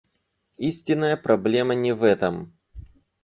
Истинная проблема не в этом.